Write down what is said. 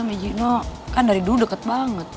amai gino kan dari dulu deket banget